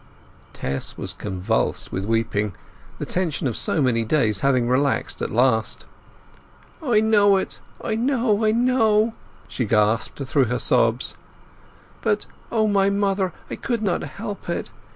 Tess was convulsed with weeping, the tension of so many days having relaxed at last. "I know it—I know—I know!" she gasped through her sobs. "But, O my mother, I could not help it!